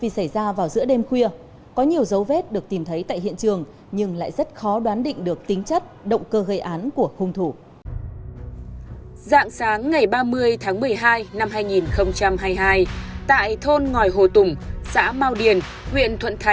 xin chào và hẹn gặp lại các bạn trong các bộ phim tiếp theo